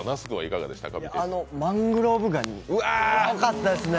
マングローブ蟹すごかったですね